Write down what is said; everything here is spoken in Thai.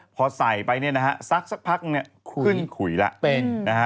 พอใส่ไปนี่นะฮะซักสักพักขึ้นขุยแล้ว